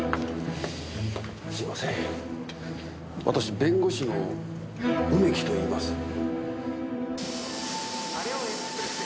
私弁護士の梅木といいます。